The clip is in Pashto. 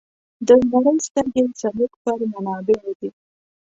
د نړۍ سترګې زموږ پر منابعو دي.